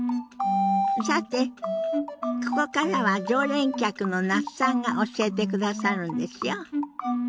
さてここからは常連客の那須さんが教えてくださるんですよ。